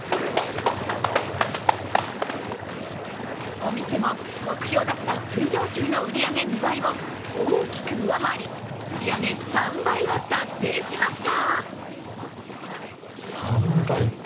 お店も目標だった通常週の売り上げ２倍を大きく上回り、売り上げ３倍を達成しました。